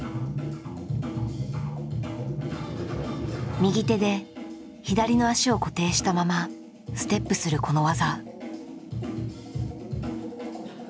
右手で左の足を固定したままステップするこの技。